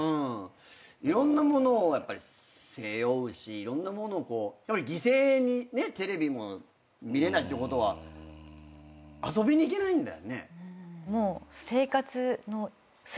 いろんなものを背負うしいろんなものをこうやっぱり犠牲にねテレビも見れないってことは遊びにいけないんだよね。